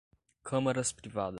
câmaras privadas